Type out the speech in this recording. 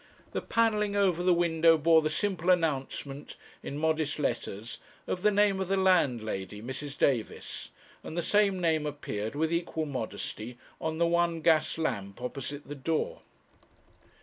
The panelling over the window bore the simple announcement, in modest letters, of the name of the landlady, Mrs. Davis; and the same name appeared with equal modesty on the one gas lamp opposite the door.